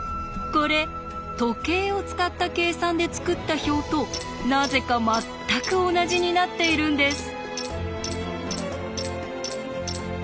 これ時計を使った計算で作った表となぜか全く同じになっているんです。